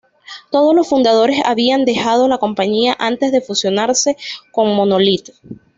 Todos los fundadores habían dejado la compañía antes de fusionarse con Monolith.